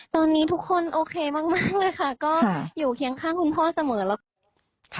ตอนนี้ทุกคนโอเคมากเลยค่ะก็อยู่เคียงข้างคุณพ่อเสมอแล้วกัน